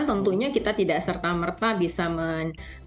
tentunya kita tidak serta merta bisa menyimpulkan bahwa ini adalah suatu luka